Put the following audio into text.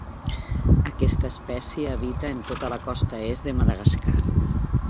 Aquesta espècie habita en tota la costa est de Madagascar.